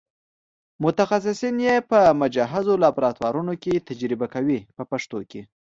متخصصین یې په مجهزو لابراتوارونو کې تجزیه کوي په پښتو کې.